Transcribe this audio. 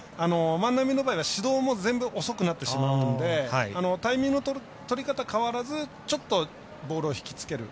万波の場合は始動も全部遅くなってしまうのでタイミングのとり方変わらずちょっとボールを引き付ける。